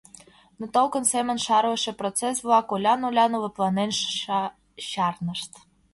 Но толкын семын шарлыше процесс-влак олян-олян лыпланен чарнышт.